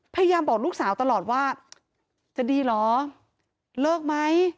พยายามบอกลูกสาวตลอดว่าจะดีเหรอเลิกไหม